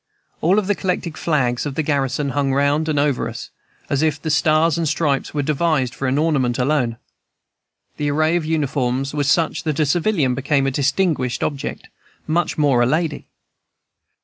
All the collected flags of the garrison hung round and over us, as if the stars and stripes were devised for an ornament alone. The array of uniforms was such that a civilian became a distinguished object, much more a lady.